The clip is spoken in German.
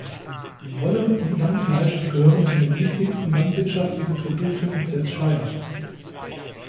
Wolle und Lammfleisch gehören zu den wichtigsten landwirtschaftlichen Produkten des Shires.